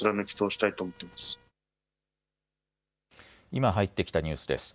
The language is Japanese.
今、入ってきたニュースです。